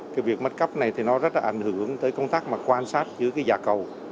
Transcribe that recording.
cái việc mất cáp này thì nó rất là ảnh hưởng tới công tác quan sát dưới dạ cầu